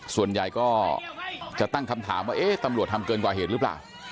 ส่วนใหญ่ก็จะตั้งคำถามว่าเอ๊ะตำรวจทำเกินกว่าเหตุหรือเปล่า